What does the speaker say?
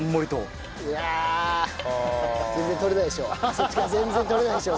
そっちから全然撮れないでしょ？